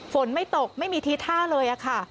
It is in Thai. ฝนไม่ตกไม่มีทีท่าเลยค่ะ